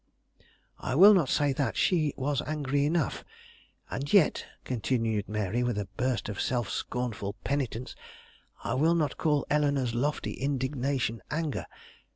"I will not say that; she was angry enough. And yet," continued Mary, with a burst of self scornful penitence, "I will not call Eleanore's lofty indignation anger.